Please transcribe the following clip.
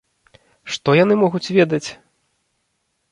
Што яны могуць ведаць?